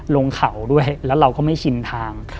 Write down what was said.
ลงเขาด้วยแล้วเราก็ไม่ชินทาง